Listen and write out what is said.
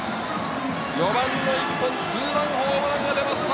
４番の１本、ツーランホームランが出ました。